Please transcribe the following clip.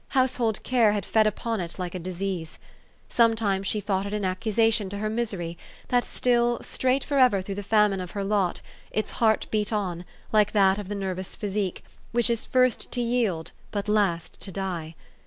Household care had fed upon it like a disease. Sometimes she thought it an accession to her misery, that still, straight forever through the famine of her lot, its heart beat on, like that of the nervous ph}*sique, which is first to yield, but last to die.